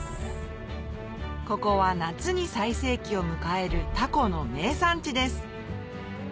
ここは夏に最盛期を迎えるタコの名産地です